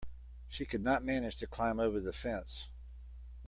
She could not manage to climb over the fence.